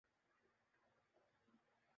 اور کپتان کا سب سے بڑا"جرم" میچ کو فنش نہ کر ہے